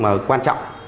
mà quan trọng